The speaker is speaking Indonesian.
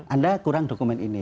anda kurang dokumen ini